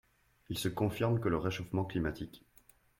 Il se confirme que le réchauffement climatique